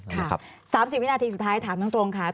๓๐วินาทีสุดท้ายถามตรงค่ะ